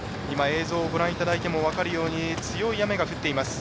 映像ご覧いただいても分かるように強い雨が降っています